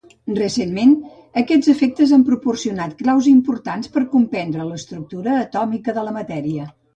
Recentment, aquests efectes han proporcionat claus importants per a comprendre l'estructura atòmica de la matèria.